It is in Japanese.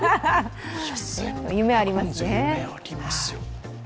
夢ありますね。